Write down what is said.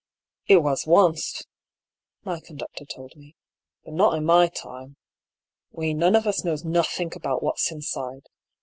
" It was wonst," my conductor told me ;" but not in my time. We none of us knows nothink about wot's inside.